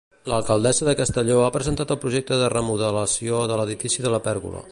L'alcaldessa de Castelló ha presentat el projecte de remodelació de l'edifici de la Pèrgola.